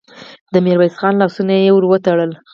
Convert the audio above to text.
د ميرويس خان لاسونه يې ور وتړل.